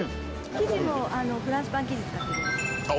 生地もフランスパン生地を使ってます。